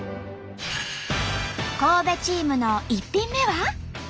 神戸チームの１品目は？